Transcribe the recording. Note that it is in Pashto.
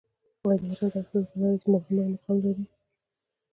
آیا د هرات زعفران په نړۍ کې لومړی مقام لري؟